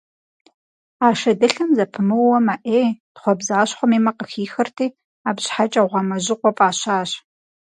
А шэдылъэм зэпымыууэ мэ Ӏей, тхъуэбзащхъуэм и мэ къыхихырти, абы щхьэкӀэ «Гъуамэжьыкъуэ» фӀащащ.